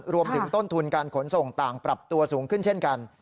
รวมถึงต้นทุนการขนส่งต่างปรับตัวสูงขึ้นเช่นกัน